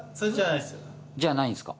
じゃないんですか？